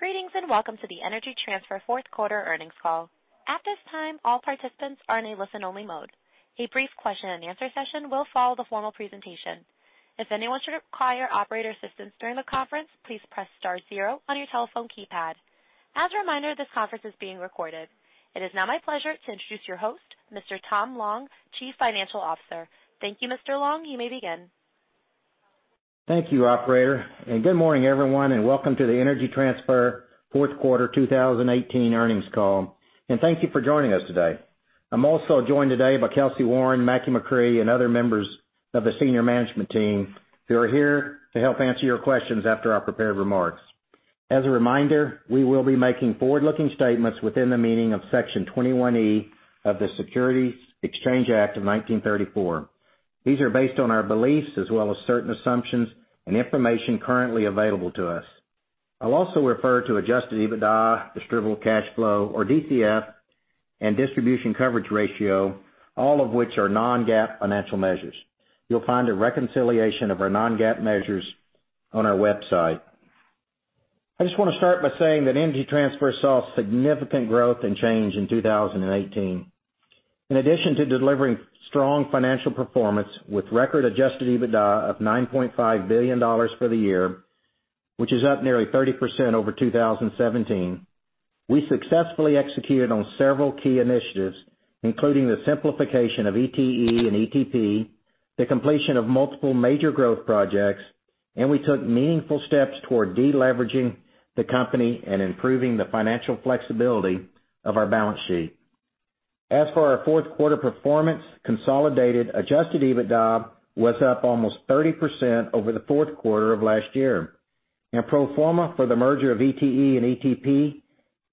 Greetings, welcome to the Energy Transfer fourth quarter earnings call. At this time, all participants are in a listen-only mode. A brief question and answer session will follow the formal presentation. If anyone should require operator assistance during the conference, please press star zero on your telephone keypad. As a reminder, this conference is being recorded. It is now my pleasure to introduce your host, Mr. Tom Long, Chief Financial Officer. Thank you, Mr. Long. You may begin. Thank you, operator, good morning, everyone, and welcome to the Energy Transfer fourth quarter 2018 earnings call. Thank you for joining us today. I am also joined today by Kelcy Warren, Mackie McCrea, and other members of the senior management team who are here to help answer your questions after our prepared remarks. As a reminder, we will be making forward-looking statements within the meaning of Section 21E of the Securities Exchange Act of 1934. These are based on our beliefs as well as certain assumptions and information currently available to us. I will also refer to Adjusted EBITDA, Distributable Cash Flow, or DCF, and distribution coverage ratio, all of which are non-GAAP financial measures. You will find a reconciliation of our non-GAAP measures on our website. I just want to start by saying that Energy Transfer saw significant growth and change in 2018. In addition to delivering strong financial performance with record Adjusted EBITDA of $9.5 billion for the year, which is up nearly 30% over 2017, we successfully executed on several key initiatives, including the simplification of ETE and ETP, the completion of multiple major growth projects, and we took meaningful steps toward de-leveraging the company and improving the financial flexibility of our balance sheet. As for our fourth quarter performance, consolidated Adjusted EBITDA was up almost 30% over the fourth quarter of last year. Pro forma for the merger of ETE and ETP,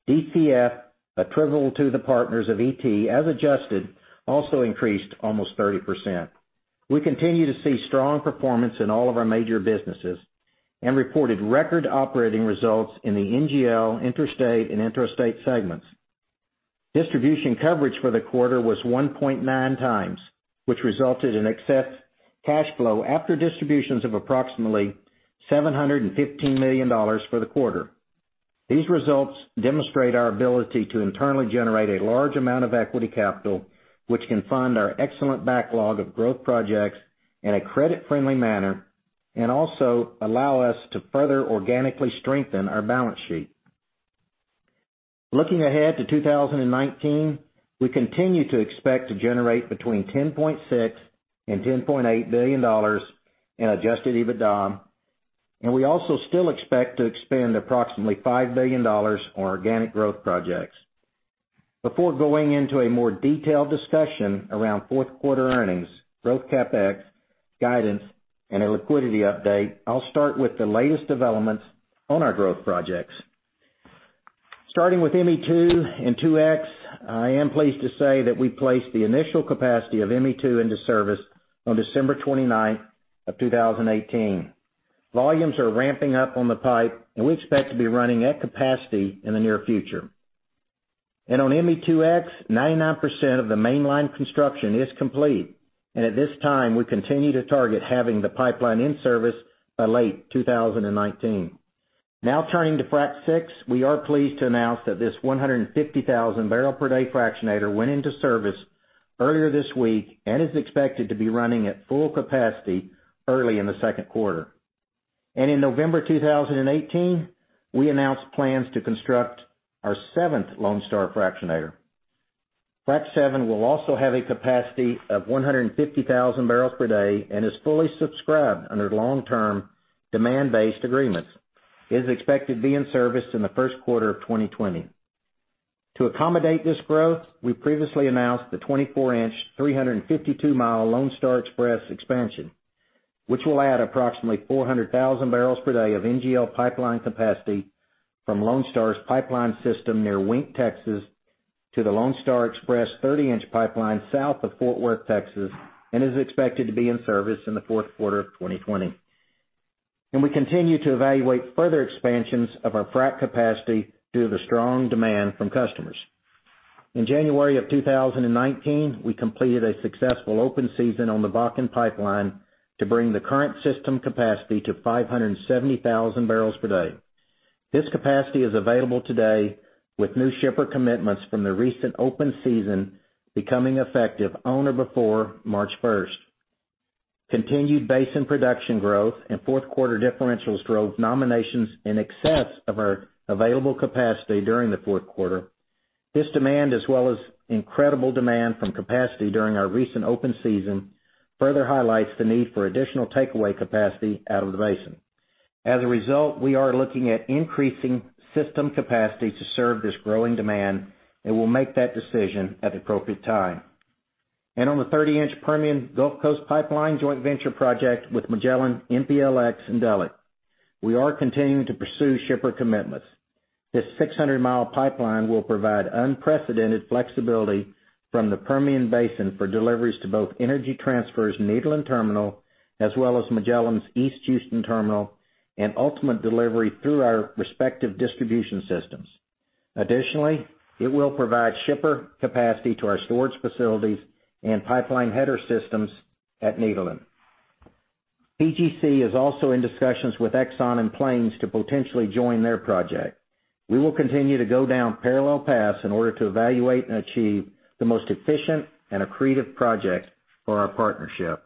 DCF, attributable to the partners of ET as adjusted, also increased almost 30%. We continue to see strong performance in all of our major businesses and reported record operating results in the NGL, interstate, and intrastate segments. Distribution coverage for the quarter was 1.9 times, which resulted in excess cash flow after distributions of approximately $715 million for the quarter. These results demonstrate our ability to internally generate a large amount of equity capital, which can fund our excellent backlog of growth projects in a credit-friendly manner and also allow us to further organically strengthen our balance sheet. Looking ahead to 2019, we continue to expect to generate between $10.6 billion and $10.8 billion in Adjusted EBITDA, and we also still expect to spend approximately $5 billion on organic growth projects. Before going into a more detailed discussion around fourth quarter earnings, growth CapEx, guidance, and a liquidity update, I will start with the latest developments on our growth projects. Starting with ME2 and 2X, I am pleased to say that we placed the initial capacity of ME2 into service on December 29th, 2018. Volumes are ramping up on the pipe, we expect to be running at capacity in the near future. On ME2X, 99% of the mainline construction is complete, at this time, we continue to target having the pipeline in service by late 2019. Turning to Frac VI, we are pleased to announce that this 150,000-barrel-per-day fractionator went into service earlier this week and is expected to be running at full capacity early in the second quarter. In November 2018, we announced plans to construct our seventh Lone Star fractionator. Frac VII will also have a capacity of 150,000 barrels per day and is fully subscribed under long-term demand-based agreements. It is expected to be in service in the first quarter of 2020. To accommodate this growth, we previously announced the 24-inch, 352-mile Lone Star Express expansion, which will add approximately 400,000 barrels per day of NGL pipeline capacity from Lone Star's pipeline system near Wink, Texas, to the Lone Star Express 30-inch pipeline south of Fort Worth, Texas, and is expected to be in service in the fourth quarter of 2020. We continue to evaluate further expansions of our frac capacity due to the strong demand from customers. In January 2019, we completed a successful open season on the Bakken Pipeline to bring the current system capacity to 570,000 barrels per day. This capacity is available today with new shipper commitments from the recent open season becoming effective on or before March 1st. Continued basin production growth and fourth quarter differentials drove nominations in excess of our available capacity during the fourth quarter. This demand, as well as incredible demand from capacity during our recent open season, further highlights the need for additional takeaway capacity out of the basin. As a result, we are looking at increasing system capacity to serve this growing demand, we'll make that decision at the appropriate time. On the 30-inch Permian Gulf Coast Pipeline joint venture project with Magellan, MPLX, and Delek, we are continuing to pursue shipper commitments. This 600-mile pipeline will provide unprecedented flexibility from the Permian Basin for deliveries to both Energy Transfer's Nederland terminal, as well as Magellan's East Houston terminal and ultimate delivery through our respective distribution systems. Additionally, it will provide shipper capacity to our storage facilities and pipeline header systems at Nederland. PGC is also in discussions with Exxon and Plains to potentially join their project. We will continue to go down parallel paths in order to evaluate and achieve the most efficient and accretive project for our partnership.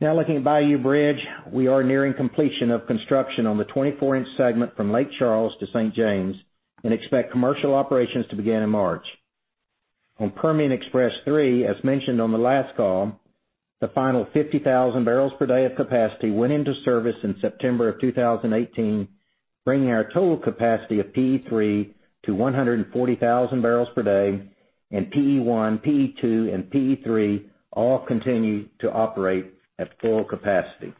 Looking at Bayou Bridge, we are nearing completion of construction on the 24-inch segment from Lake Charles to St. James and expect commercial operations to begin in March. On Permian Express 3, as mentioned on the last call, the final 50,000 barrels per day of capacity went into service in September 2018, bringing our total capacity of PE3 to 140,000 barrels per day, and PE1, PE2, and PE3 all continue to operate at full capacity.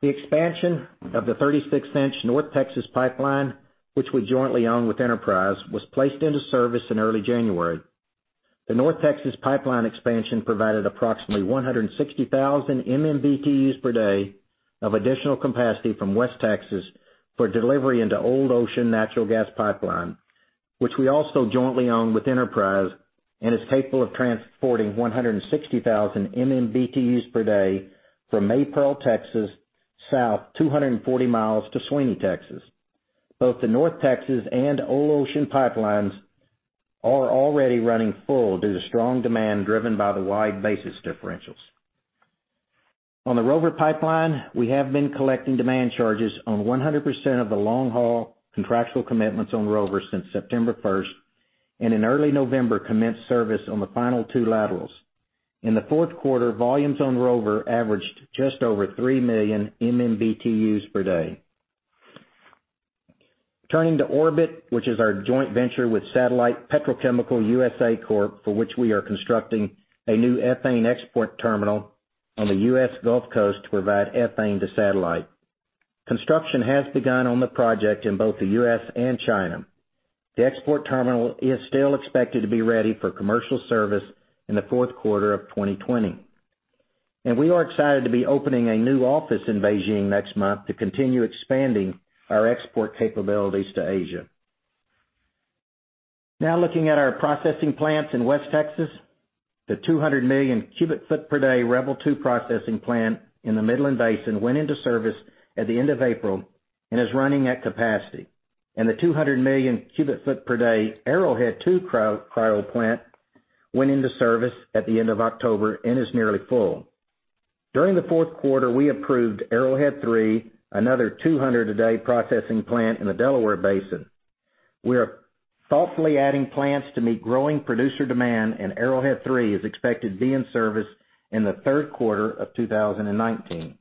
The expansion of the 36-inch North Texas Pipeline, which we jointly own with Enterprise, was placed into service in early January. The North Texas Pipeline expansion provided approximately 160,000 MMBtus per day of additional capacity from West Texas for delivery into Old Ocean Natural Gas Pipeline, which we also jointly own with Enterprise and is capable of transporting 160,000 MMBtus per day from Maypearl, Texas, south 240 miles to Sweeney, Texas. Both the North Texas and Old Ocean pipelines are already running full due to strong demand driven by the wide basis differentials. On the Rover Pipeline, we have been collecting demand charges on 100% of the long-haul contractual commitments on Rover since September 1st, and in early November, commenced service on the final two laterals. In the fourth quarter, volumes on Rover averaged just over 3 million MMBtus per day. Turning to Orbit, which is our joint venture with Satellite Petrochemical USA Corp., for which we are constructing a new ethane export terminal on the U.S. Gulf Coast to provide ethane to Satellite. Construction has begun on the project in both the U.S. and China. The export terminal is still expected to be ready for commercial service in the fourth quarter of 2020. We are excited to be opening a new office in Beijing next month to continue expanding our export capabilities to Asia. Looking at our processing plants in West Texas, the 200-million cubic foot per day Rebel II processing plant in the Midland Basin went into service at the end of April and is running at capacity. The 200-million cubic foot per day Arrowhead II cryo plant went into service at the end of October and is nearly full. During the fourth quarter, we approved Arrowhead III, another 200 a day processing plant in the Delaware Basin. We are thoughtfully adding plants to meet growing producer demand, and Arrowhead III is expected to be in service in the third quarter of 2019.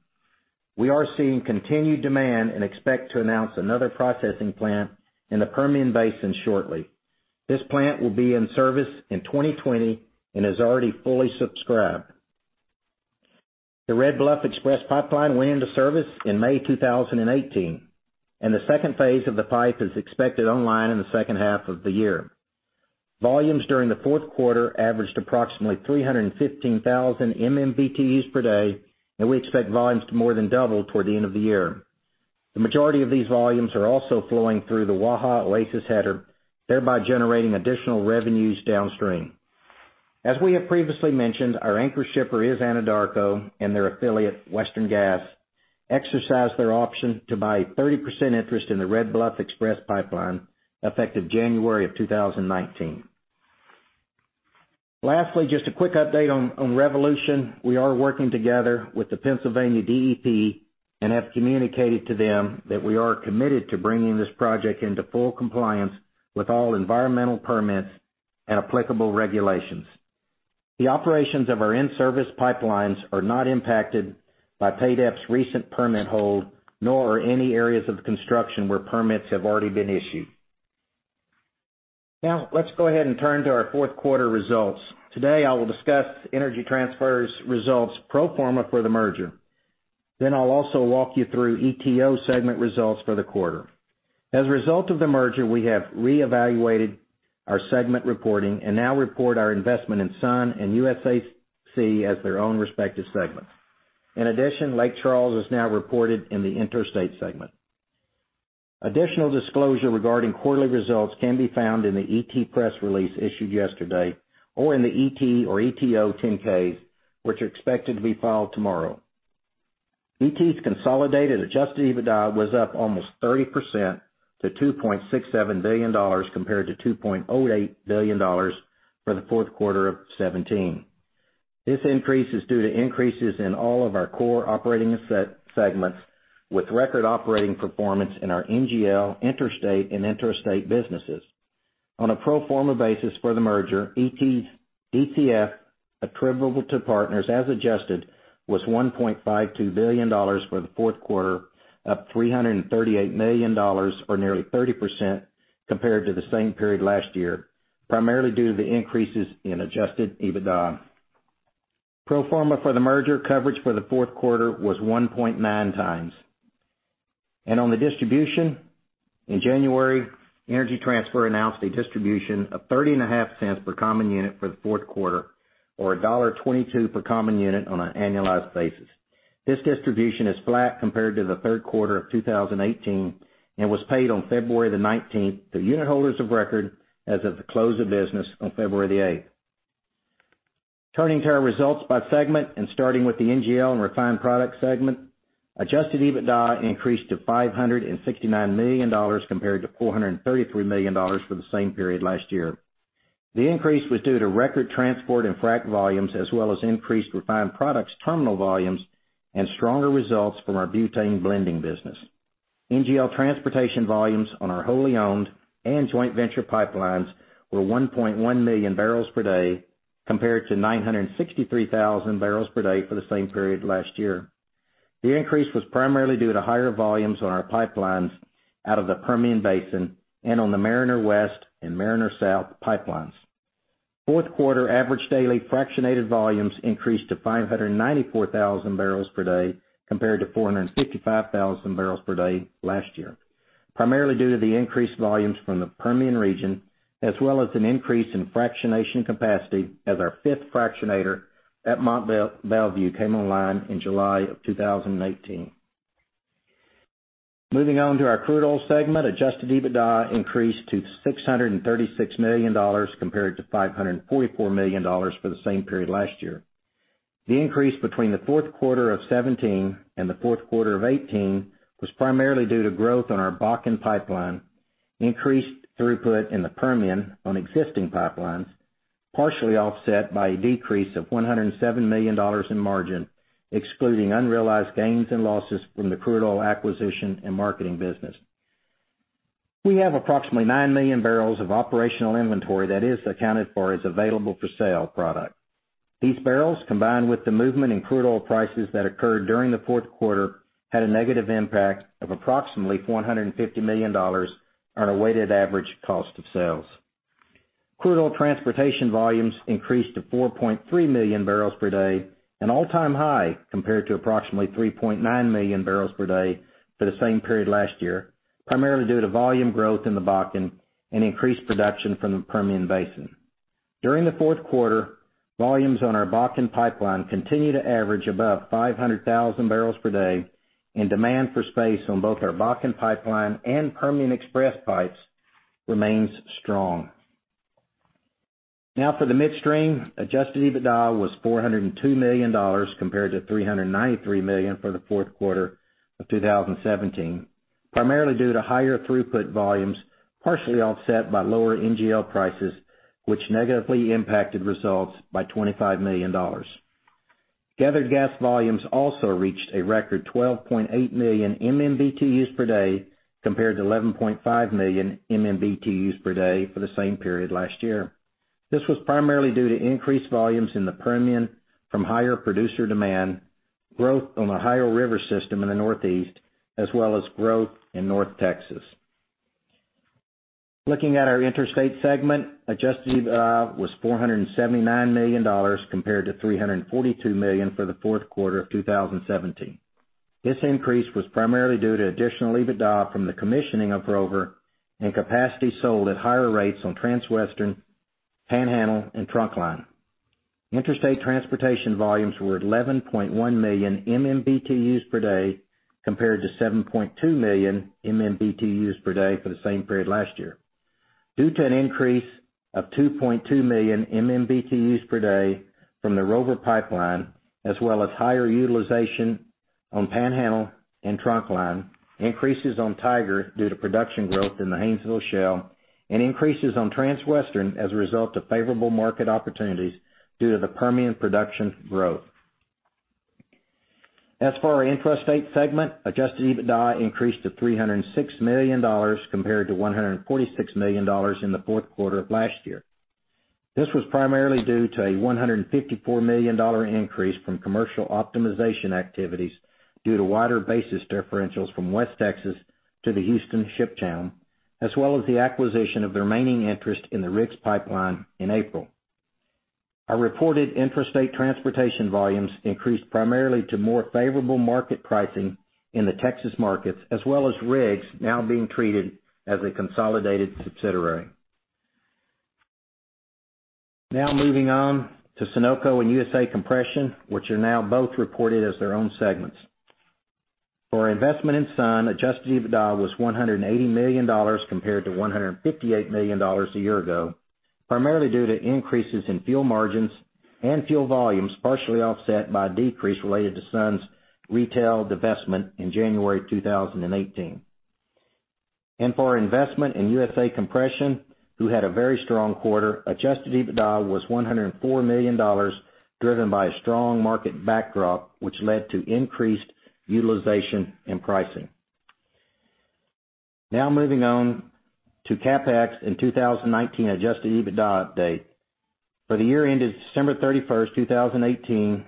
We are seeing continued demand and expect to announce another processing plant in the Permian Basin shortly. This plant will be in service in 2020 and is already fully subscribed. The Red Bluff Express Pipeline went into service in May 2018. The second phase of the pipe is expected online in the second half of the year. Volumes during the fourth quarter averaged approximately 315,000 MMBtus per day. We expect volumes to more than double toward the end of the year. The majority of these volumes are also flowing through the Waha LACES header, thereby generating additional revenues downstream. As we have previously mentioned, our anchor shipper is Anadarko and their affiliate, Western Gas, exercised their option to buy a 30% interest in the Red Bluff Express Pipeline effective January of 2019. Lastly, just a quick update on Revolution. We are working together with the Pennsylvania DEP and have communicated to them that we are committed to bringing this project into full compliance with all environmental permits and applicable regulations. The operations of our in-service pipelines are not impacted by PADEP's recent permit hold, nor are any areas of construction where permits have already been issued. Let's go ahead and turn to our fourth quarter results. Today, I will discuss Energy Transfer's results pro forma for the merger. I'll also walk you through ETO segment results for the quarter. As a result of the merger, we have reevaluated our segment reporting and now report our investment in SUN and USAC as their own respective segments. In addition, Lake Charles is now reported in the interstate segment. Additional disclosure regarding quarterly results can be found in the ET press release issued yesterday or in the ET or ETO 10-Ks, which are expected to be filed tomorrow. ET's consolidated Adjusted EBITDA was up almost 30% to $2.67 billion compared to $2.08 billion for the fourth quarter of 2017. This increase is due to increases in all of our core operating segments, with record operating performance in our NGL, interstate, and interstate businesses. On a pro forma basis for the merger, ET's ETF attributable to partners as adjusted was $1.52 billion for the fourth quarter, up $338 million or nearly 30% compared to the same period last year, primarily due to the increases in Adjusted EBITDA. Pro forma for the merger coverage for the fourth quarter was 1.9 times. On the distribution, Energy Transfer announced a distribution of 30 and a half cents per common unit for the fourth quarter, or $1.22 per common unit on an annualized basis. This distribution is flat compared to the third quarter of 2018, and was paid on February 19th to unitholders of record as of the close of business on February 8th. Turning to our results by segment and starting with the NGL and refined products segment, Adjusted EBITDA increased to $569 million compared to $433 million for the same period last year. The increase was due to record transport and frac volumes, as well as increased refined products terminal volumes, and stronger results from our butane blending business. NGL transportation volumes on our wholly owned and joint venture pipelines were 1.1 million barrels per day compared to 963,000 barrels per day for the same period last year. The increase was primarily due to higher volumes on our pipelines out of the Permian Basin and on the Mariner West and Mariner South pipelines. Fourth quarter average daily fractionated volumes increased to 594,000 barrels per day compared to 455,000 barrels per day last year, primarily due to the increased volumes from the Permian region, as well as an increase in fractionation capacity as our fifth fractionator at Mont Belvieu came online in July of 2018. Moving on to our crude oil segment, Adjusted EBITDA increased to $636 million compared to $544 million for the same period last year. The increase between the fourth quarter of 2017 and the fourth quarter of 2018 was primarily due to growth on our Bakken pipeline, increased throughput in the Permian on existing pipelines, partially offset by a decrease of $107 million in margin, excluding unrealized gains and losses from the crude oil acquisition and marketing business. We have approximately nine million barrels of operational inventory that is accounted for as available-for-sale product. These barrels, combined with the movement in crude oil prices that occurred during the fourth quarter, had a negative impact of approximately $450 million on a weighted average cost of sales. Crude oil transportation volumes increased to 4.3 million barrels per day, an all-time high compared to approximately 3.9 million barrels per day for the same period last year, primarily due to volume growth in the Bakken and increased production from the Permian Basin. During the fourth quarter, volumes on our Bakken pipeline continued to average above 500,000 barrels per day, and demand for space on both our Bakken pipeline and Permian Express pipes remains strong. Now for the midstream. Adjusted EBITDA was $402 million compared to $393 million for the fourth quarter of 2017, primarily due to higher throughput volumes, partially offset by lower NGL prices, which negatively impacted results by $25 million. Gathered gas volumes also reached a record 12.8 million MMBtu's per day compared to 11.5 million MMBtu's per day for the same period last year. This was primarily due to increased volumes in the Permian from higher producer demand, growth on the Ohio River system in the Northeast, as well as growth in North Texas. Looking at our interstate segment, Adjusted EBITDA was $479 million compared to $342 million for the fourth quarter of 2017. This increase was primarily due to additional EBITDA from the commissioning of Rover and capacity sold at higher rates on Transwestern, Panhandle, and Trunkline. Interstate transportation volumes were 11.1 million MMBtu's per day compared to 7.2 million MMBtu's per day for the same period last year. Due to an increase of 2.2 million MMBtu's per day from the Rover pipeline as well as higher utilization on Panhandle and Trunkline, increases on Tiger due to production growth in the Haynesville Shale, and increases on Transwestern as a result of favorable market opportunities due to the Permian production growth. As for our intrastate segment, Adjusted EBITDA increased to $306 million compared to $146 million in the fourth quarter of last year. This was primarily due to a $154 million increase from commercial optimization activities due to wider basis differentials from West Texas to the Houston ship channel, as well as the acquisition of the remaining interest in the RIGS Pipeline in April. Our reported intrastate transportation volumes increased primarily to more favorable market pricing in the Texas markets, as well as RIGS now being treated as a consolidated subsidiary. Now moving on to Sunoco and USA Compression, which are now both reported as their own segments. For our investment in Sun, Adjusted EBITDA was $180 million compared to $158 million a year ago, primarily due to increases in fuel margins and fuel volumes, partially offset by a decrease related to Sun's retail divestment in January 2018. For our investment in USA Compression, who had a very strong quarter, Adjusted EBITDA was $104 million, driven by a strong market backdrop, which led to increased utilization and pricing. Now moving on to CapEx and 2019 Adjusted EBITDA update. For the year ended December 31st, 2018,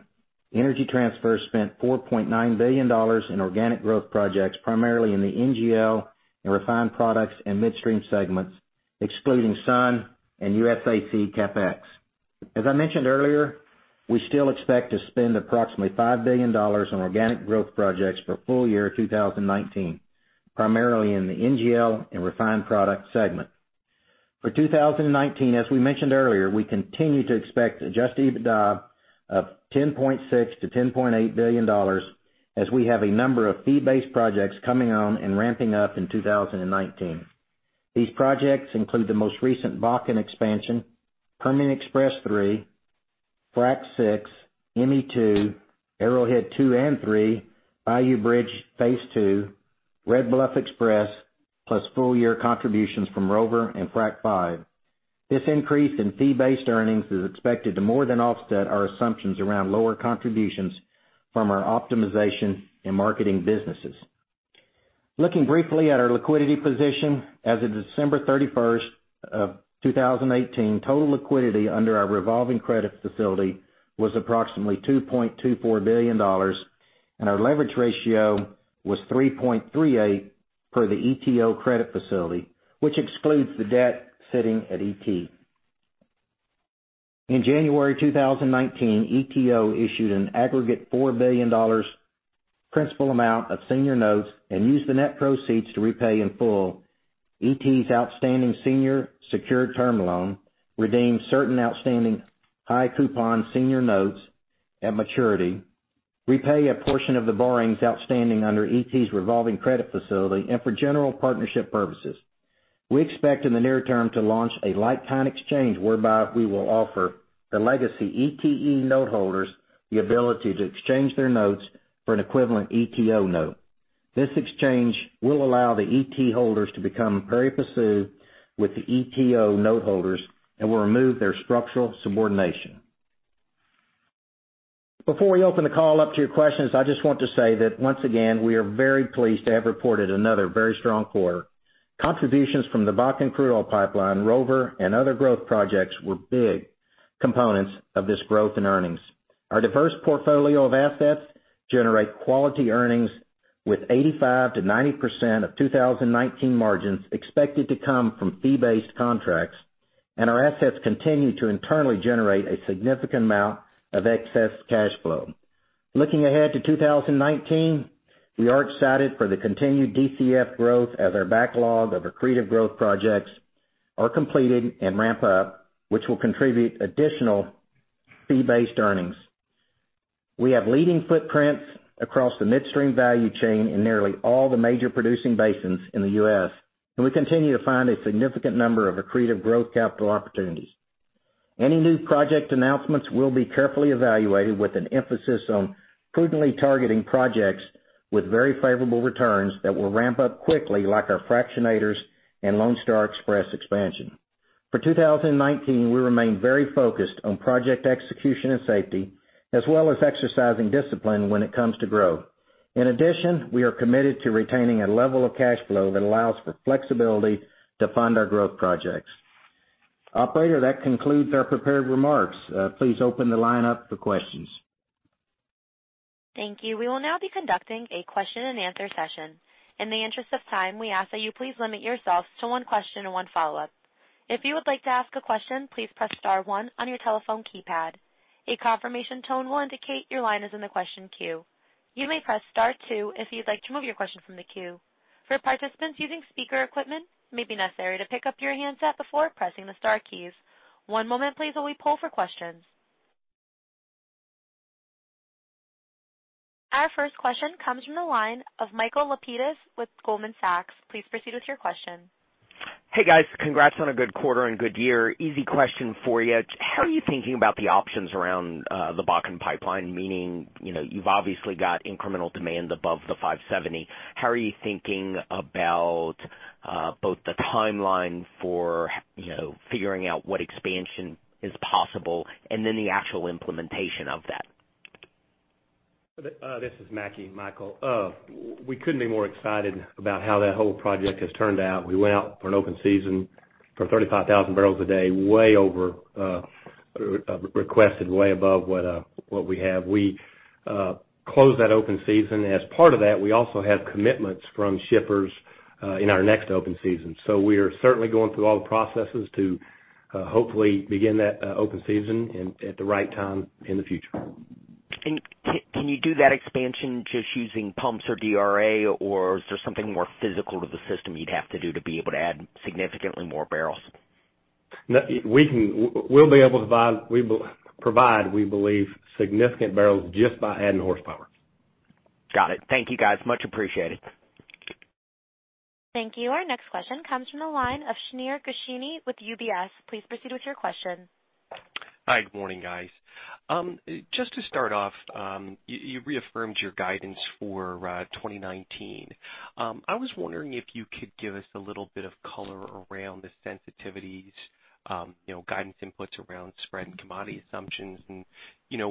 Energy Transfer spent $4.9 billion in organic growth projects, primarily in the NGL and refined products and midstream segments, excluding Sun and USAC CapEx. As I mentioned earlier, we still expect to spend approximately $5 billion on organic growth projects for full year 2019, primarily in the NGL and refined products segment. For 2019, as we mentioned earlier, we continue to expect Adjusted EBITDA of $10.6 billion-$10.8 billion, as we have a number of fee-based projects coming on and ramping up in 2019. These projects include the most recent Bakken expansion, Permian Express III, Frac VI, ME2, Arrowhead II and III, Bayou Bridge Phase 2, Red Bluff Express, plus full-year contributions from Rover and Frac V. This increase in fee-based earnings is expected to more than offset our assumptions around lower contributions from our optimization and marketing businesses. Looking briefly at our liquidity position. As of December 31, 2018, total liquidity under our revolving credit facility was approximately $2.24 billion, and our leverage ratio was 3.38 per the ETO credit facility, which excludes the debt sitting at ET. In January 2019, ETO issued an aggregate $4 billion principal amount of senior notes and used the net proceeds to repay in full ET's outstanding senior secured term loan, redeem certain outstanding high-coupon senior notes at maturity, repay a portion of the borrowings outstanding under ET's revolving credit facility, and for general partnership purposes. We expect in the near term to launch a like-kind exchange whereby we will offer the legacy ETE note holders the ability to exchange their notes for an equivalent ETO note. This exchange will allow the ET holders to become pari passu with the ETO note holders and will remove their structural subordination. Before we open the call up to your questions, I just want to say that once again, we are very pleased to have reported another very strong quarter. Contributions from the Bakken Crude Oil Pipeline, Rover, and other growth projects were big components of this growth in earnings. Our diverse portfolio of assets generate quality earnings with 85%-90% of 2019 margins expected to come from fee-based contracts, and our assets continue to internally generate a significant amount of excess cash flow. Looking ahead to 2019, we are excited for the continued DCF growth as our backlog of accretive growth projects are completed and ramp up, which will contribute additional fee-based earnings. We have leading footprints across the midstream value chain in nearly all the major producing basins in the U.S., and we continue to find a significant number of accretive growth capital opportunities. Any new project announcements will be carefully evaluated with an emphasis on prudently targeting projects with very favorable returns that will ramp up quickly, like our fractionators and Lone Star Express expansion. For 2019, we remain very focused on project execution and safety, as well as exercising discipline when it comes to growth. In addition, we are committed to retaining a level of cash flow that allows for flexibility to fund our growth projects. Operator, that concludes our prepared remarks. Please open the line up for questions. Thank you. We will now be conducting a question and answer session. In the interest of time, we ask that you please limit yourselves to one question and one follow-up. If you would like to ask a question, please press star one on your telephone keypad. A confirmation tone will indicate your line is in the question queue. You may press star two if you'd like to remove your question from the queue. For participants using speaker equipment, it may be necessary to pick up your handset before pressing the star keys. One moment please while we poll for questions. Our first question comes from the line of Michael Lapides with Goldman Sachs. Please proceed with your question. Hey, guys. Congrats on a good quarter and good year. Easy question for you. How are you thinking about the options around the Bakken Pipeline? Meaning, you've obviously got incremental demand above the 570. How are you thinking about both the timeline for figuring out what expansion is possible and then the actual implementation of that? This is Mackie, Michael. We couldn't be more excited about how that whole project has turned out. We went out for an open season for 35,000 barrels a day, way over requested, way above what we have. We closed that open season. As part of that, we also have commitments from shippers in our next open season. We are certainly going through all the processes to hopefully begin that open season at the right time in the future. Can you do that expansion just using pumps or DRA, or is there something more physical to the system you'd have to do to be able to add significantly more barrels? We'll be able to provide, we believe, significant barrels just by adding horsepower. Got it. Thank you, guys. Much appreciated. Thank you. Our next question comes from the line of Shneur Gershuni with UBS. Please proceed with your question. Hi, good morning, guys. Just to start off, you reaffirmed your guidance for 2019. I was wondering if you could give us a little bit of color around the sensitivities, guidance inputs around spread and commodity assumptions, and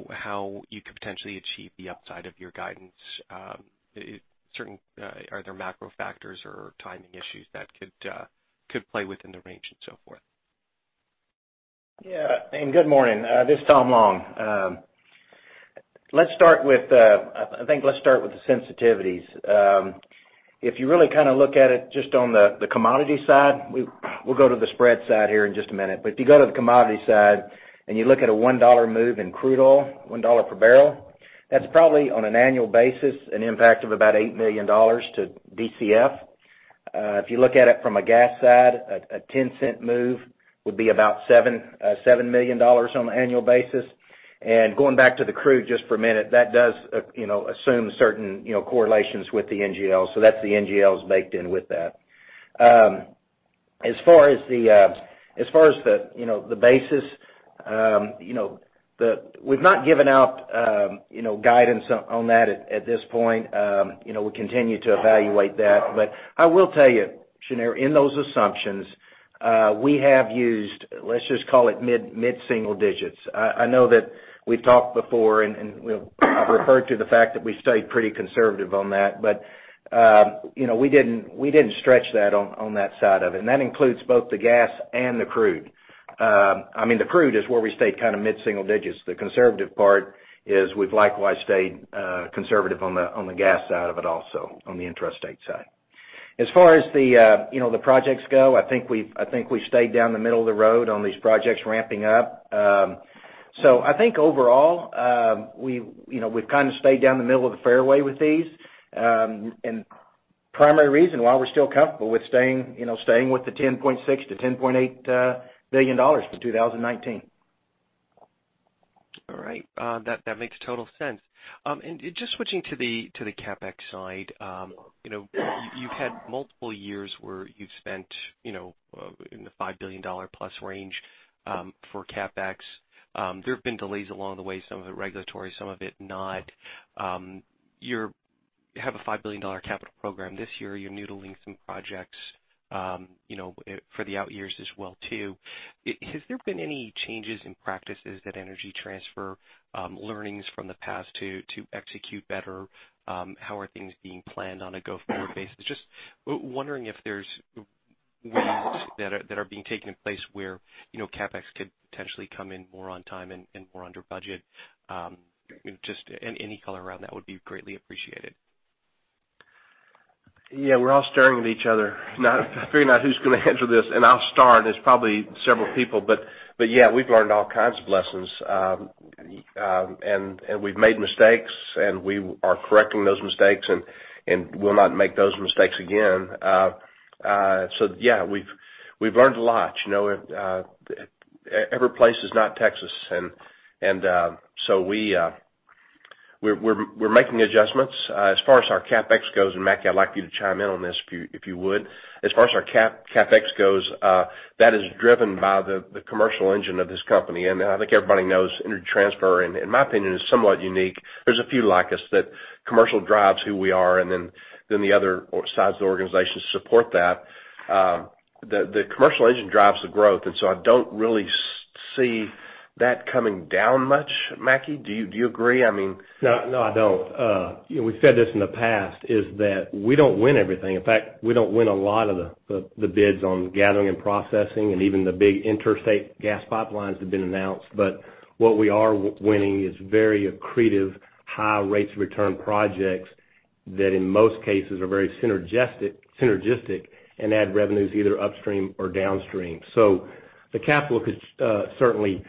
how you could potentially achieve the upside of your guidance. Are there macro factors or timing issues that could play within the range and so forth? Good morning. This is Tom Long. I think let's start with the sensitivities. If you really kind of look at it just on the commodity side, we'll go to the spread side here in just a minute. If you go to the commodity side and you look at a $1 move in crude oil, $1 per barrel, that's probably, on an annual basis, an impact of about $8 million to DCF. If you look at it from a gas side, a $0.10 move would be about $7 million on an annual basis. Going back to the crude just for a minute, that does assume certain correlations with the NGLs. That's the NGLs baked in with that. As far as the basis, we've not given out guidance on that at this point. We continue to evaluate that. I will tell you, Shneur, in those assumptions, we have used, let's just call it mid-single digits. I know that we've talked before, and I've referred to the fact that we stayed pretty conservative on that, but we didn't stretch that on that side of it. That includes both the gas and the crude. I mean, the crude is where we stayed mid-single digits. The conservative part is we've likewise stayed conservative on the gas side of it also, on the intrastate side. As far as the projects go, I think we stayed down the middle of the road on these projects ramping up. I think overall, we've stayed down the middle of the fairway with these, and primary reason why we're still comfortable with staying with the $10.6 billion to $10.8 billion for 2019. All right. That makes total sense. Just switching to the CapEx side. You've had multiple years where you've spent in the $5 billion plus range for CapEx. There have been delays along the way, some of it regulatory, some of it not. You have a $5 billion capital program this year. You're noodling some projects for the out years as well too. Has there been any changes in practices at Energy Transfer, learnings from the past to execute better? How are things being planned on a go-forward basis? Just wondering if there's ways that are being taken in place where CapEx could potentially come in more on time and more under budget. Just any color around that would be greatly appreciated. Yeah, we're all staring at each other now figuring out who's going to answer this, and I'll start. It's probably several people, but yeah, we've learned all kinds of lessons. We've made mistakes, and we are correcting those mistakes and will not make those mistakes again. Yeah, we've learned a lot. Every place is not Texas, and we're making adjustments. As far as our CapEx goes, and Mackie, I'd like you to chime in on this if you would. As far as our CapEx goes, that is driven by the commercial engine of this company. I think everybody knows Energy Transfer, in my opinion, is somewhat unique. There's a few like us, that commercial drives who we are, and then the other sides of the organization support that. The commercial engine drives the growth, and I don't really see that coming down much. Mackie, do you agree? No, I don't. We've said this in the past, is that we don't win everything. In fact, we don't win a lot of the bids on gathering and processing, and even the big interstate gas pipelines that have been announced. What we are winning is very accretive high rates of return projects that in most cases are very synergistic and add revenues either upstream or downstream. The capital could certainly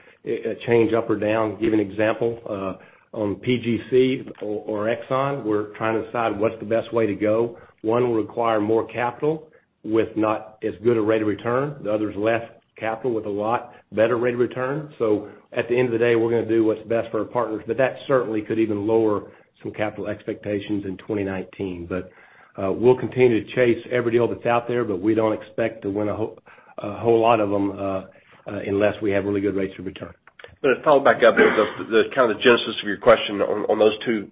change up or down. Give an example, on PGC or ExxonMobil, we're trying to decide what's the best way to go. One will require more capital with not as good a rate of return. The other's less capital with a lot better rate of return. At the end of the day, we're going to do what's best for our partners. That certainly could even lower some capital expectations in 2019. We'll continue to chase every deal that's out there, but we don't expect to win a whole lot of them unless we have really good rates of return. To follow back up with the kind of the genesis of your question on those two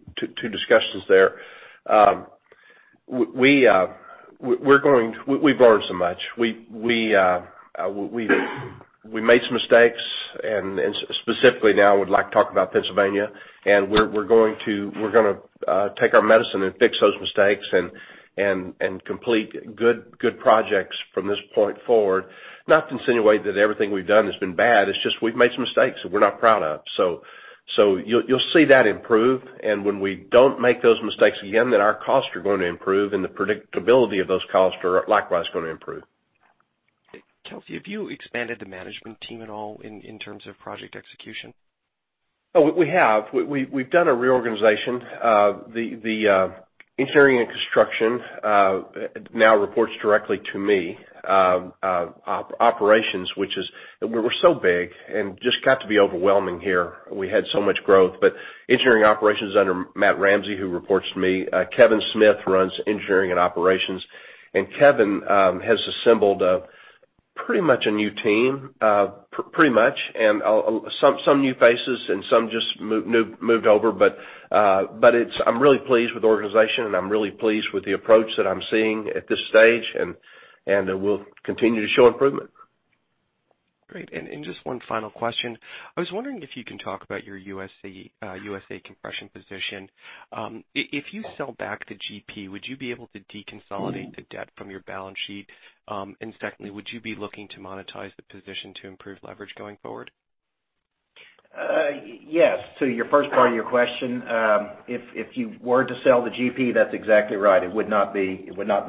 discussions there. We've learned so much. We made some mistakes and specifically now would like to talk about Pennsylvania, and we're going to take our medicine and fix those mistakes and complete good projects from this point forward. Not to insinuate that everything we've done has been bad. It's just we've made some mistakes that we're not proud of. You'll see that improve, and when we don't make those mistakes again, then our costs are going to improve and the predictability of those costs are likewise going to improve. Kelcy, have you expanded the management team at all in terms of project execution? We have. We've done a reorganization. The engineering and construction now reports directly to me. We were so big and just got to be overwhelming here. We had so much growth. Engineering operations under Matt Ramsey, who reports to me. Kevin Smith runs engineering and operations, and Kevin has assembled pretty much a new team. Pretty much. Some new faces and some just moved over. I'm really pleased with the organization, and I'm really pleased with the approach that I'm seeing at this stage, and we'll continue to show improvement. Great. Just one final question. I was wondering if you can talk about your USA Compression position. If you sell back to GP, would you be able to deconsolidate the debt from your balance sheet? Secondly, would you be looking to monetize the position to improve leverage going forward? Yes. To your first part of your question, if you were to sell to GP, that's exactly right. It would not be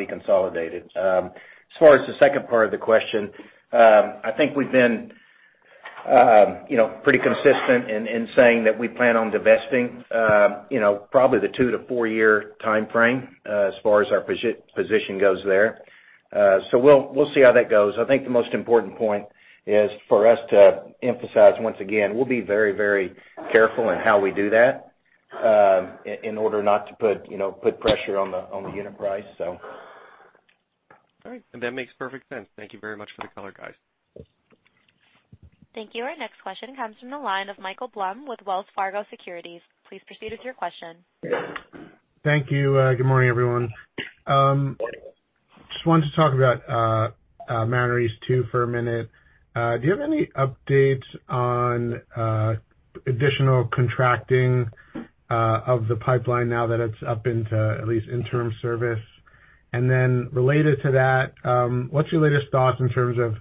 consolidated. As far as the second part of the question, I think we've been Pretty consistent in saying that we plan on divesting probably the 2 to 4-year timeframe as far as our position goes there. We'll see how that goes. I think the most important point is for us to emphasize, once again, we'll be very careful in how we do that in order not to put pressure on the unit price. All right. That makes perfect sense. Thank you very much for the color, guys. Thank you. Our next question comes from the line of Michael Blum with Wells Fargo Securities. Please proceed with your question. Thank you. Good morning, everyone. Just wanted to talk about Mariner East 2 for a minute. Do you have any updates on additional contracting of the pipeline now that it's up into at least interim service? Then related to that, what's your latest thoughts in terms of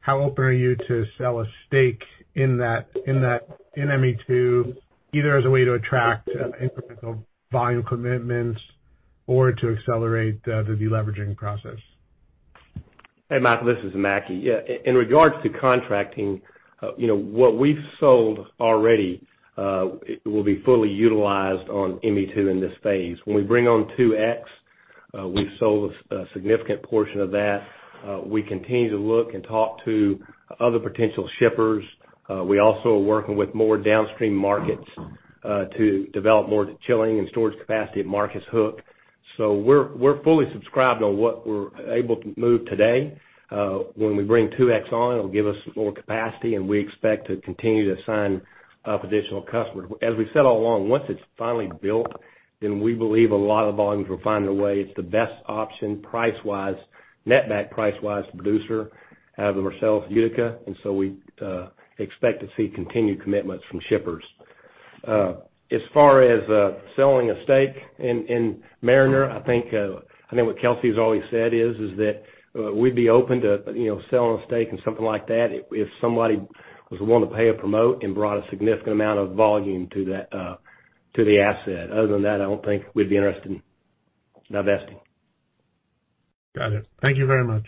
how open are you to sell a stake in ME2, either as a way to attract incremental volume commitments or to accelerate the deleveraging process? Hey, Michael, this is Mackie. Yeah. In regards to contracting, what we've sold already will be fully utilized on ME2 in this phase. When we bring on 2X, we've sold a significant portion of that. We continue to look and talk to other potential shippers. We also are working with more downstream markets to develop more chilling and storage capacity at Marcus Hook. We're fully subscribed on what we're able to move today. When we bring 2X on, it'll give us more capacity, and we expect to continue to sign up additional customers. As we said all along, once it's finally built, we believe a lot of volumes will find their way. It's the best option, net back price-wise, to produce out of the Marcellus Utica, and we expect to see continued commitments from shippers. As far as selling a stake in Mariner, I think what Kelcy has always said is that we'd be open to selling a stake in something like that if somebody was willing to pay a promote and brought a significant amount of volume to the asset. Other than that, I don't think we'd be interested in divesting. Got it. Thank you very much.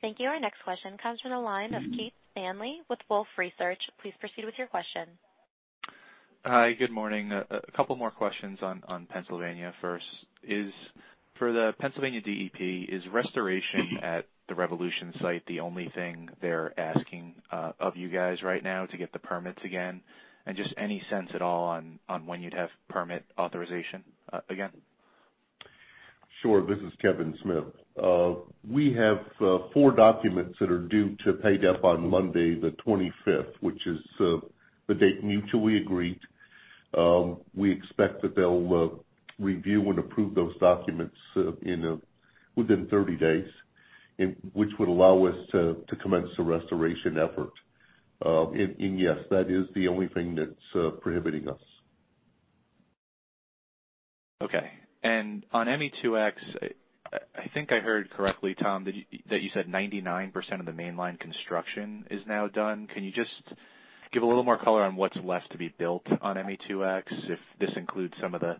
Thank you. Our next question comes from the line of Keith Stanley with Wolfe Research. Please proceed with your question. Hi. Good morning. A couple more questions on Pennsylvania first. For the Pennsylvania DEP, is restoration at the Revolution site the only thing they're asking of you guys right now to get the permits again? Just any sense at all on when you'd have permit authorization again? Sure. This is Kevin Smith. We have four documents that are due to PADEP on Monday the 25th, which is the date mutually agreed. We expect that they'll review and approve those documents within 30 days, which would allow us to commence the restoration effort. Yes, that is the only thing that's prohibiting us. Okay. On ME2X, I think I heard correctly, Tom, that you said 99% of the mainline construction is now done. Can you just give a little more color on what's left to be built on ME2X, if this includes some of the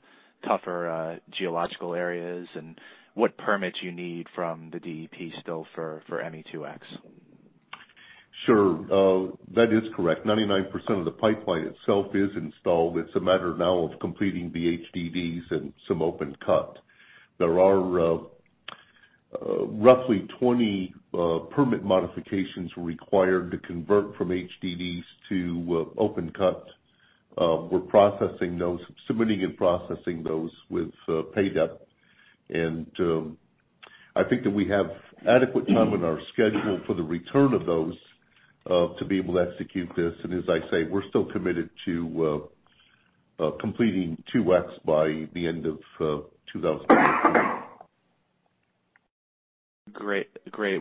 tougher geological areas, and what permits you need from the DEP still for ME2X? Sure. That is correct. 99% of the pipeline itself is installed. It's a matter now of completing the HDDs and some open cut. There are roughly 20 permit modifications required to convert from HDDs to open cut. We're submitting and processing those with PADEP. I think that we have adequate time in our schedule for the return of those to be able to execute this. As I say, we're still committed to completing 2X by the end of 2019. Great.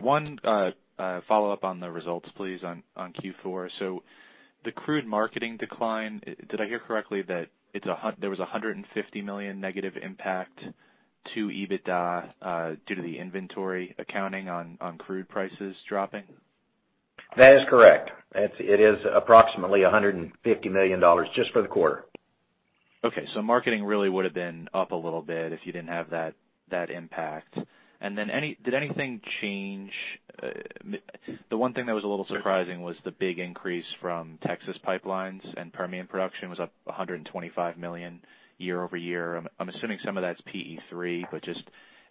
One follow-up on the results, please, on Q4. The crude marketing decline, did I hear correctly that there was $150 million negative impact to EBITDA due to the inventory accounting on crude prices dropping? That is correct. It is approximately $150 million just for the quarter. Okay. Marketing really would've been up a little bit if you didn't have that impact. Did anything change? The one thing that was a little surprising was the big increase from Texas pipelines, Permian production was up $125 million year-over-year. I'm assuming some of that's PE3, but just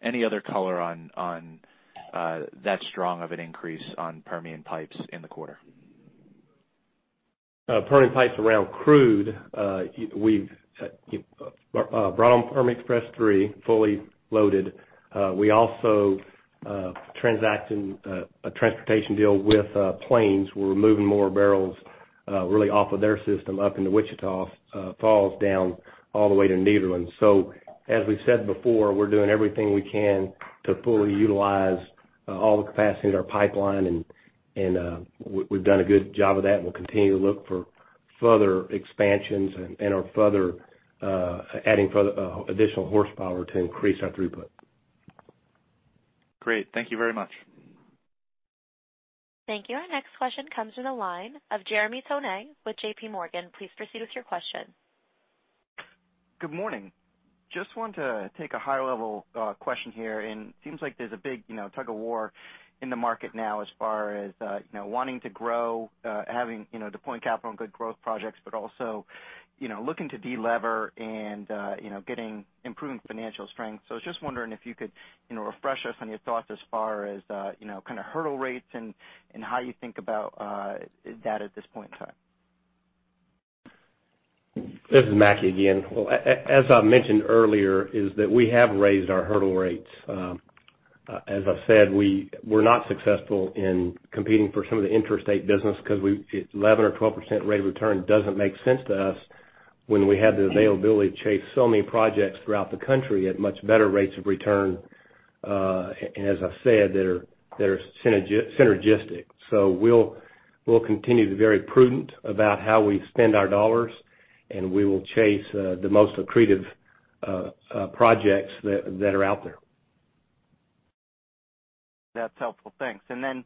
any other color on that strong of an increase on Permian pipes in the quarter? Permian pipes around crude, we've brought on Permian Express 3 fully loaded. We're also transacting a transportation deal with Plains. We're moving more barrels really off of their system up into Wichita Falls, down all the way to Nederland. As we've said before, we're doing everything we can to fully utilize all the capacity in our pipeline, and we've done a good job of that, and we'll continue to look for further expansions and adding additional horsepower to increase our throughput. Great. Thank you very much. Thank you. Our next question comes to the line of Jeremy Tonet with J.P. Morgan. Please proceed with your question. Good morning. Just want to take a high-level question here. Seems like there's a big tug of war in the market now as far as wanting to grow, having to deploy capital on good growth projects, but also looking to de-lever and improving financial strength. I was just wondering if you could refresh us on your thoughts as far as kind of hurdle rates and how you think about that at this point in time. This is Mackie again. As I mentioned earlier, is that we have raised our hurdle rates. As I've said, we're not successful in competing for some of the interstate business because 11 or 12% rate of return doesn't make sense to us when we have the availability to chase so many projects throughout the country at much better rates of return, as I've said, that are synergistic. We'll continue to be very prudent about how we spend our dollars. We will chase the most accretive projects that are out there. That's helpful. Thanks. Then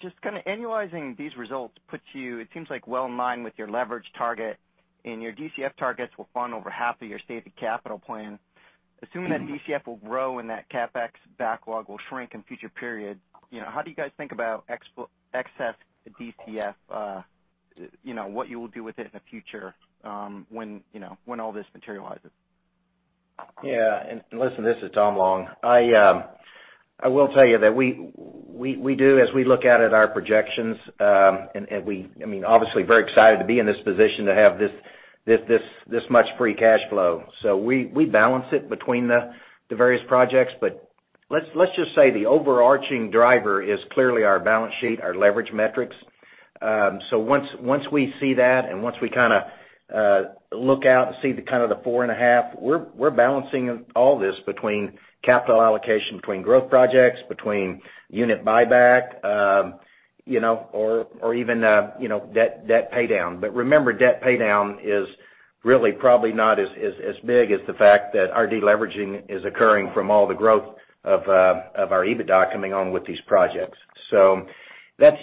just kind of annualizing these results puts you, it seems like well in line with your leverage target, and your DCF targets will fund over half of your stated capital plan. Assuming that DCF will grow and that CapEx backlog will shrink in future periods, how do you guys think about excess DCF, what you will do with it in the future when all this materializes? Yeah. Listen, this is Tom Long. I will tell you that we do, as we look out at our projections, obviously very excited to be in this position to have this much free cash flow. We balance it between the various projects. Let's just say the overarching driver is clearly our balance sheet, our leverage metrics. Once we see that, and once we kind of look out and see the kind of the 4.5x, we're balancing all this between capital allocation, between growth projects, between unit buyback, or even debt pay down. Remember, debt pay down is really probably not as big as the fact that our de-leveraging is occurring from all the growth of our EBITDA coming on with these projects. That's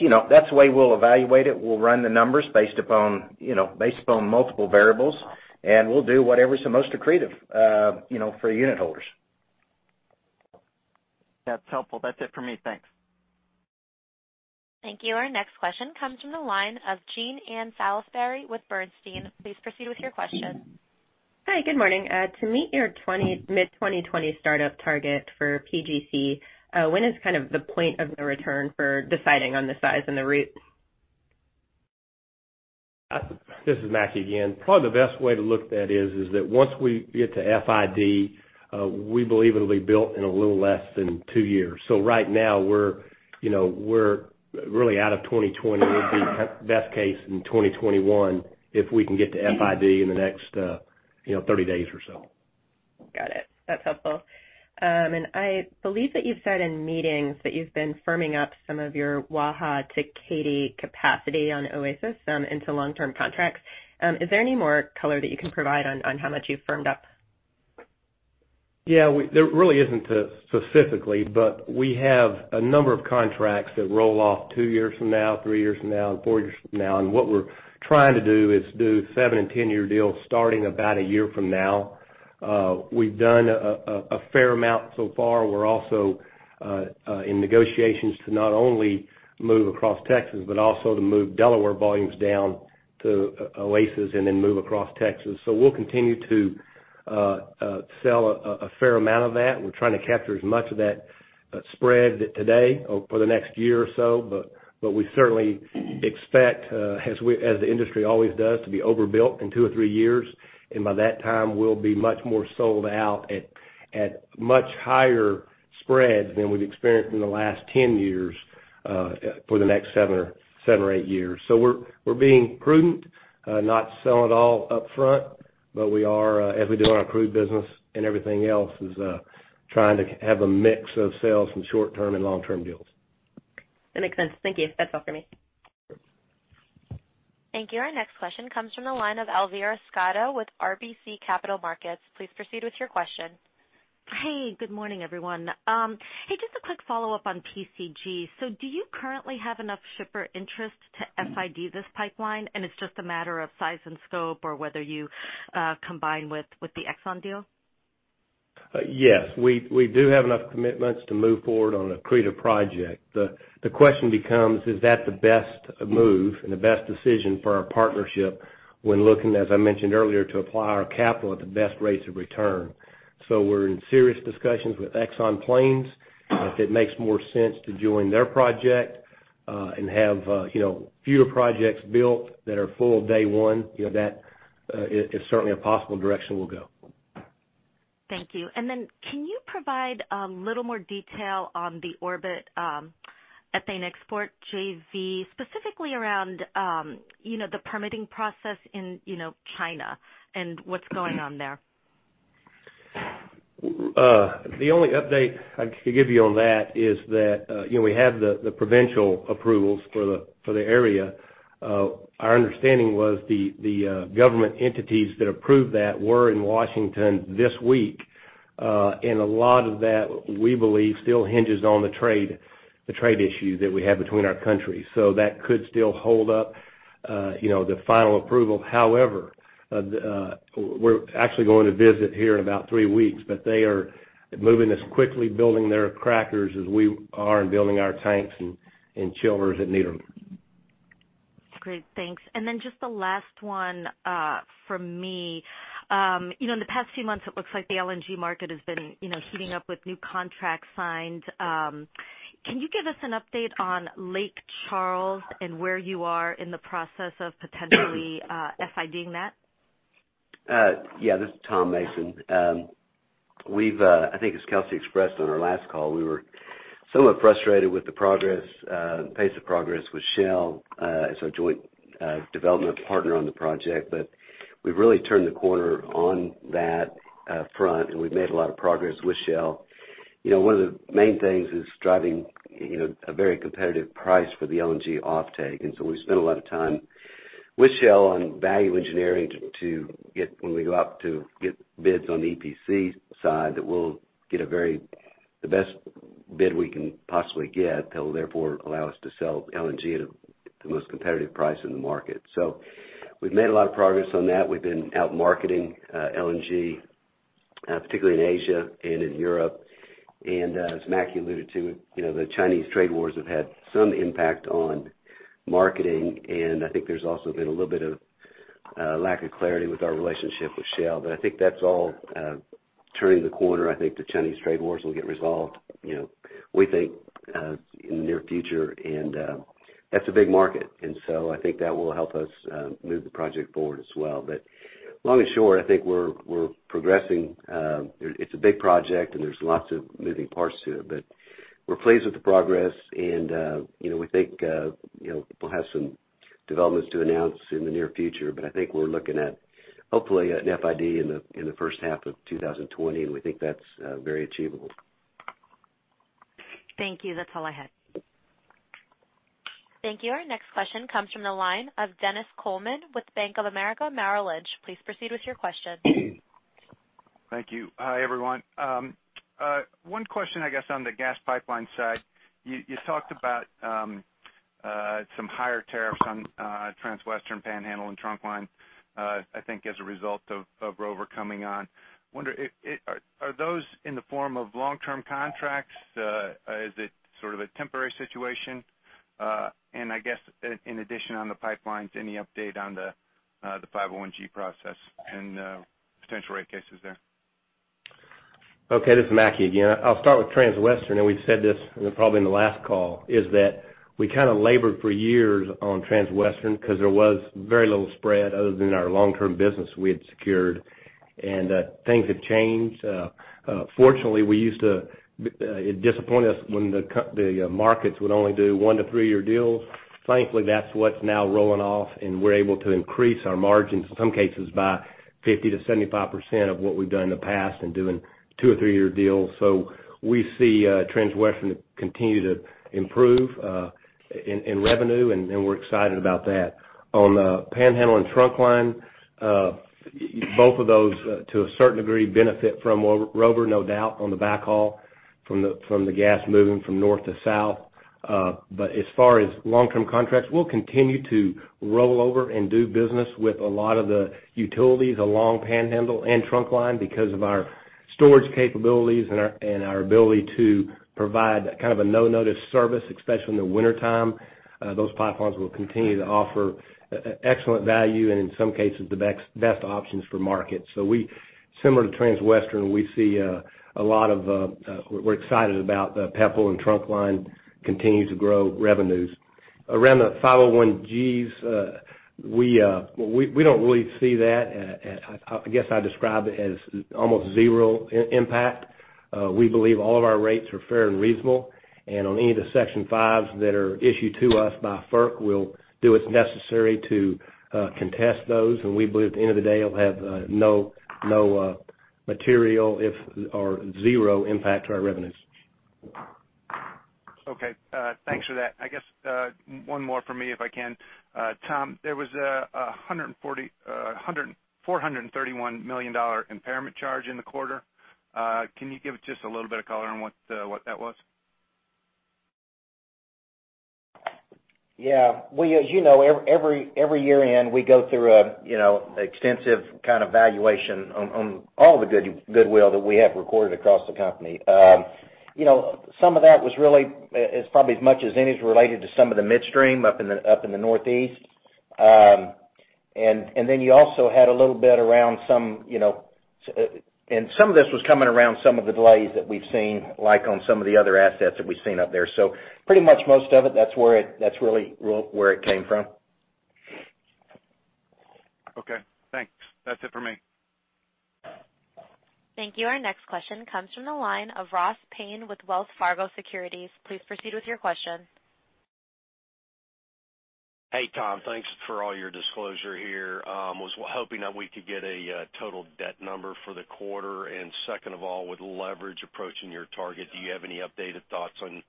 the way we'll evaluate it. We'll run the numbers based upon multiple variables, and we'll do whatever's the most accretive for unit holders. That's helpful. That's it for me. Thanks. Thank you. Our next question comes from the line of Jean Ann Salisbury with Bernstein. Please proceed with your question. Hi, good morning. To meet your mid-2020 startup target for PGC, when is kind of the point of no return for deciding on the size and the route? This is Mackie again. Probably the best way to look at that is that once we get to FID, we believe it'll be built in a little less than two years. Right now we're really out of 2020. It would be best case in 2021 if we can get to FID in the next 30 days or so. Got it. That's helpful. I believe that you've said in meetings that you've been firming up some of your Waha to Katy capacity on Oasis into long-term contracts. Is there any more color that you can provide on how much you've firmed up? There really isn't specifically, but we have a number of contracts that roll off two years from now, three years from now, and four years from now. What we're trying to do is do seven- and 10-year deals starting about a year from now. We've done a fair amount so far. We're also in negotiations to not only move across Texas, but also to move Delaware volumes down to Oasis and then move across Texas. We'll continue to sell a fair amount of that. We're trying to capture as much of that spread today or for the next year or so. We certainly expect, as the industry always does, to be overbuilt in two or three years. By that time, we'll be much more sold out at much higher spreads than we've experienced in the last 10 years for the next seven or eight years. We're being prudent, not sell it all upfront, but we are, as we do our approved business and everything else, is trying to have a mix of sales from short-term and long-term deals. That makes sense. Thank you. That's all for me. Sure. Thank you. Our next question comes from the line of Elvira Scotto with RBC Capital Markets. Please proceed with your question. Good morning, everyone. Just a quick follow-up on PGC. Do you currently have enough shipper interest to FID this pipeline, and it is just a matter of size and scope or whether you combine with the ExxonMobil deal? Yes. We do have enough commitments to move forward on the crude project. The question becomes, is that the best move and the best decision for our partnership when looking, as I mentioned earlier, to apply our capital at the best rates of return? We are in serious discussions with Exxon and Plains. If it makes more sense to join their project, and have fewer projects built that are full day one, that is certainly a possible direction we will go. Thank you. Can you provide a little more detail on the Orbit Ethane Export JV, specifically around the permitting process in China and what is going on there? The only update I can give you on that is that we have the provincial approvals for the area. Our understanding was the government entities that approved that were in Washington this week. A lot of that, we believe, still hinges on the trade issue that we have between our countries. That could still hold up the final approval. However, we are actually going to visit here in about 3 weeks, but they are moving as quickly building their crackers as we are in building our tanks and chillers at Nederland. Great, thanks. Then just the last one from me. In the past few months, it looks like the LNG market has been heating up with new contracts signed. Can you give us an update on Lake Charles and where you are in the process of potentially FIDing that? Yeah, this is Tom Mason. I think as Kelcy expressed on our last call, we were somewhat frustrated with the pace of progress with Shell as our joint development partner on the project. We've really turned the corner on that front, and we've made a lot of progress with Shell. One of the main things is driving a very competitive price for the LNG offtake. We've spent a lot of time with Shell on value engineering to get when we go out to get bids on the EPC side, that we'll get the best bid we can possibly get. That'll therefore allow us to sell LNG at the most competitive price in the market. We've made a lot of progress on that. We've been out marketing LNG, particularly in Asia and in Europe. As Mackie alluded to, the Chinese trade wars have had some impact on marketing, and I think there's also been a little bit of lack of clarity with our relationship with Shell. I think that's all turning the corner. I think the Chinese trade wars will get resolved, we think, in the near future. That's a big market, and I think that will help us move the project forward as well. Long and short, I think we're progressing. It's a big project, and there's lots of moving parts to it, but we're pleased with the progress, and we think we'll have some developments to announce in the near future. I think we're looking at hopefully an FID in the first half of 2020, and we think that's very achievable. Thank you. That's all I had. Thank you. Our next question comes from the line of Dennis Coleman with Bank of America Merrill Lynch. Please proceed with your question. Thank you. Hi, everyone. One question, I guess, on the gas pipeline side. You talked about some higher tariffs on Transwestern, Panhandle and Trunkline, I think as a result of Rover coming on. I wonder, are those in the form of long-term contracts? Is it sort of a temporary situation? I guess in addition on the pipelines, any update on the 501 G process and potential rate cases there? Okay, this is Mackie again. I'll start with Transwestern. We've said this probably in the last call, is that we kind of labored for years on Transwestern because there was very little spread other than our long-term business we had secured. Things have changed. Fortunately, it disappointed us when the markets would only do one to three-year deals. Thankfully, that's what's now rolling off. We're able to increase our margins, in some cases by 50%-75% of what we've done in the past in doing two or three-year deals. We see Transwestern continue to improve in revenue. We're excited about that. On Panhandle and Trunkline, both of those, to a certain degree, benefit from Rover, no doubt on the backhaul from the gas moving from north to south. As far as long-term contracts, we'll continue to roll over and do business with a lot of the utilities along Panhandle and Trunkline because of our storage capabilities and our ability to provide kind of a no-notice service, especially in the wintertime. Those pipelines will continue to offer excellent value and in some cases, the best options for market. Similar to Transwestern, we're excited about the PEPL and Trunkline continuing to grow revenues. Around the 501 Gs, we don't really see that. I guess I describe it as almost zero impact. We believe all of our rates are fair and reasonable. On any of the Section 5s that are issued to us by FERC, we'll do what's necessary to contest those. We believe at the end of the day, it'll have no material or zero impact to our revenues. Okay, thanks for that. I guess one more for me, if I can. Tom, there was a $431 million impairment charge in the quarter. Can you give just a little bit of color on what that was? Yeah. Well, as you know, every year-end, we go through an extensive kind of valuation on all the goodwill that we have recorded across the company. Some of that was really, as probably as much as any, is related to some of the midstream up in the Northeast. Some of this was coming around some of the delays that we've seen, like on some of the other assets that we've seen up there. Pretty much most of it, that's really where it came from. Okay, thanks. That's it for me. Thank you. Our next question comes from the line of Ross Payne with Wells Fargo Securities. Please proceed with your question. Hey, Tom. Thanks for all your disclosure here. I was hoping that we could get a total debt number for the quarter. Second of all, with leverage approaching your target, do you have any updated thoughts on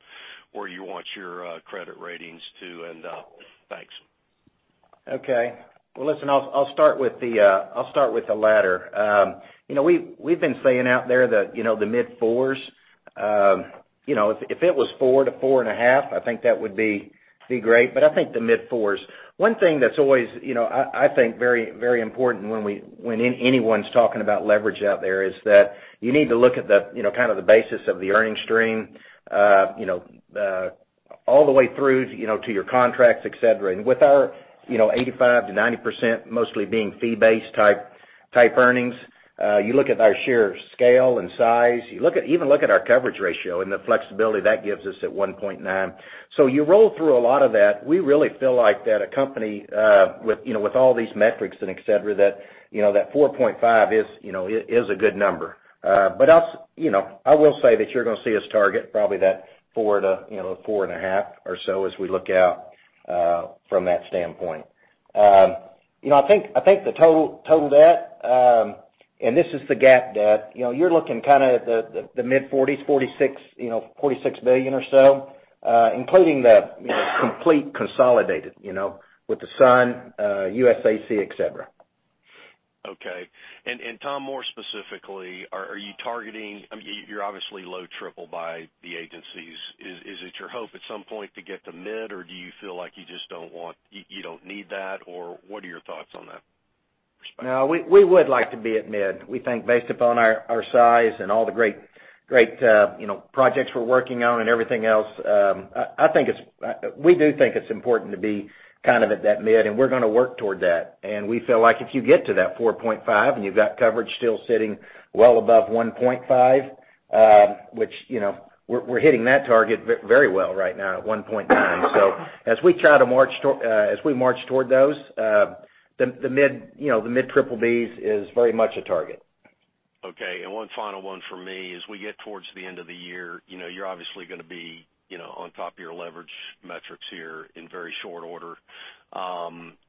where you want your credit ratings to end up? Thanks. Okay. Well, listen, I'll start with the latter. We've been saying out there that the mid fours. If it was 4-4.5, I think that would be great, but I think the mid fours. One thing that's always I think very important when anyone's talking about leverage out there is that you need to look at kind of the basis of the earning stream all the way through to your contracts, et cetera. With our 85%-90% mostly being fee-based type earnings, you look at our sheer scale and size. Even look at our coverage ratio and the flexibility that gives us at 1.9. You roll through a lot of that. We really feel like that a company with all these metrics and et cetera, that 4.5 is a good number. I will say that you're going to see us target probably that 4-4.5 or so as we look out from that standpoint. I think the total debt, and this is the GAAP debt, you're looking kind of at the mid-40s, $46 billion or so, including the complete consolidated with Sunoco, USAC, et cetera. Okay. Tom, more specifically, are you targeting-- You're obviously low triple by the agencies. Is it your hope at some point to get to mid, or do you feel like you don't need that? What are your thoughts on that perspective? No, we would like to be at mid. We think based upon our size and all the great projects we're working on and everything else, we do think it's important to be kind of at that mid, and we're going to work toward that. We feel like if you get to that 4.5, and you've got coverage still sitting well above 1.5, which we're hitting that target very well right now at 1.9. As we march toward those, the mid BBB is very much a target. Okay. One final one from me. As we get towards the end of the year, you're obviously going to be on top of your leverage metrics here in very short order.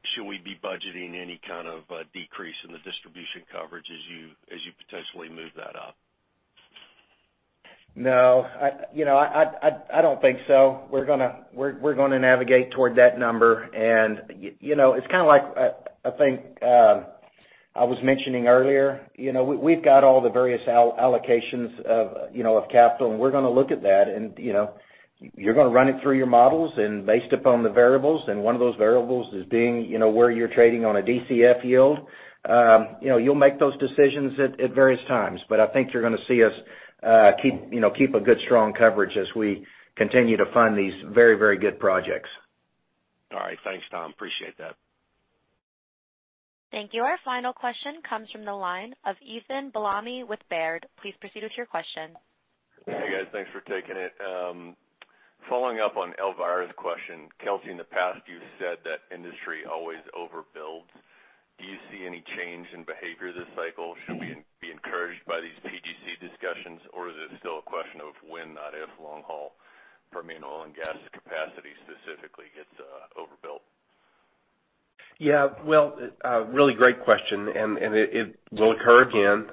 Should we be budgeting any kind of a decrease in the distribution coverage as you potentially move that up? No. I don't think so. We're going to navigate toward that number, and it's kind of like, I think I was mentioning earlier, we've got all the various allocations of capital, and we're going to look at that. You're going to run it through your models and based upon the variables, and one of those variables is being where you're trading on a DCF yield. You'll make those decisions at various times. I think you're going to see us keep a good, strong coverage as we continue to fund these very good projects. All right. Thanks, Tom. Appreciate that. Thank you. Our final question comes from the line of Ethan Bellamy with Baird. Please proceed with your question. Hey, guys. Thanks for taking it. Following up on Elvira's question. Kelcy, in the past, you've said that industry always overbuilds. Do you see any change in behavior this cycle? Should we be encouraged by these PGC discussions, or is it still a question of when, not if, long-haul Permian oil and gas capacity specifically gets overbuilt? Yeah. Well, a really great question. It will occur again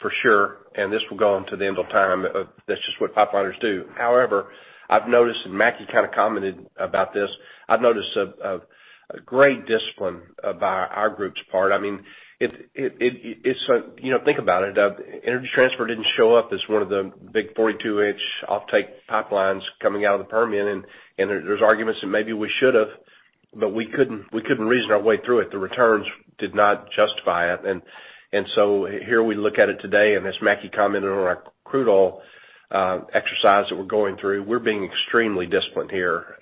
for sure. This will go on to the end of time. That's just what pipeliners do. However, I've noticed, and Mackie kind of commented about this, I've noticed a great discipline by our group's part. Think about it. Energy Transfer didn't show up as one of the big 42-inch offtake pipelines coming out of the Permian. There's arguments that maybe we should have, but we couldn't reason our way through it. The returns did not justify it. Here we look at it today, as Mackie commented on our crude oil exercise that we're going through, we're being extremely disciplined here.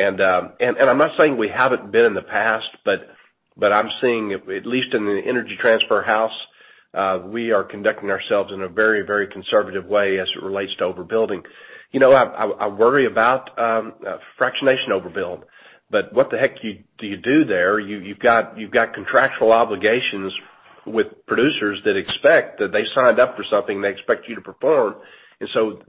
I'm not saying we haven't been in the past, but I'm seeing, at least in the Energy Transfer house, we are conducting ourselves in a very conservative way as it relates to overbuilding. I worry about fractionation overbuild, what the heck do you do there? You've got contractual obligations with producers that expect that they signed up for something they expect you to perform.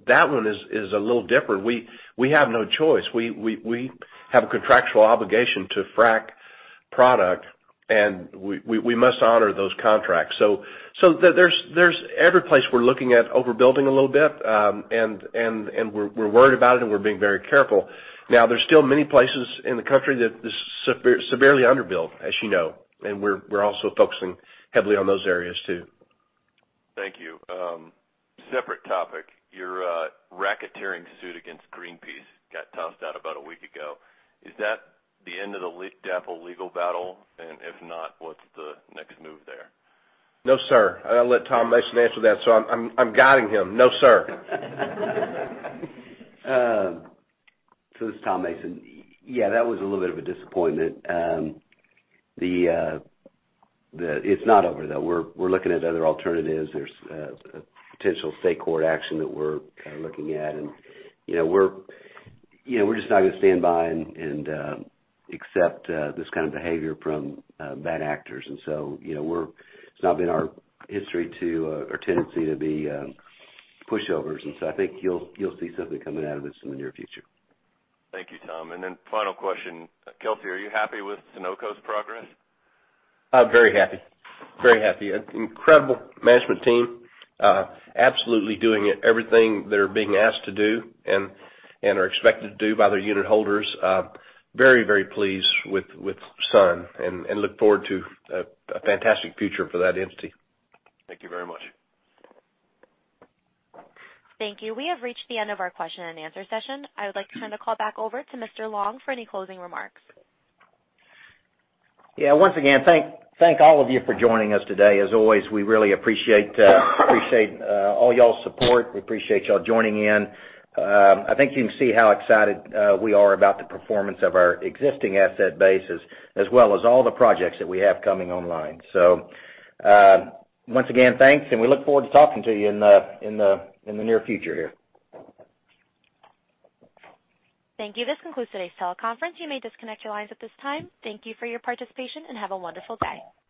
That one is a little different. We have no choice. We have a contractual obligation to frack product. We must honor those contracts. There's every place we're looking at overbuilding a little bit. We're worried about it. We're being very careful. Now, there's still many places in the country that is severely underbuilt, as you know, we're also focusing heavily on those areas, too. Thank you. Separate topic. Your racketeering suit against Greenpeace got tossed out about a week ago. Is that the end of the DAPL legal battle? If not, what's the next move there? No, sir. I'll let Tom Mason answer that. I'm guiding him. No, sir. This is Tom Mason. Yeah, that was a little bit of a disappointment. It's not over, though. We're looking at other alternatives. There's a potential state court action that we're kind of looking at, and we're just not going to stand by and accept this kind of behavior from bad actors. It's not been our history or tendency to be pushovers. I think you'll see something coming out of this in the near future. Thank you, Tom. Final question. Kelcy, are you happy with Sunoco's progress? I'm very happy. Very happy. Incredible management team. Absolutely doing everything they're being asked to do and are expected to do by their unitholders. Very pleased with Sun and look forward to a fantastic future for that entity. Thank you very much. Thank you. We have reached the end of our question and answer session. I would like to turn the call back over to Mr. Long for any closing remarks. Yeah. Once again, thank all of you for joining us today. As always, we really appreciate all y'all's support. We appreciate y'all joining in. I think you can see how excited we are about the performance of our existing asset bases, as well as all the projects that we have coming online. Once again, thanks, and we look forward to talking to you in the near future here. Thank you. This concludes today's teleconference. You may disconnect your lines at this time. Thank you for your participation, and have a wonderful day.